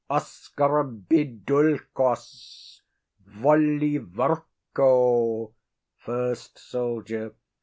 Oscorbidulchos volivorco. FIRST SOLDIER.